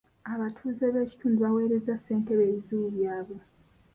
Abatuze b'ekitundu baweerezza ssentebe ebizibu byabwe.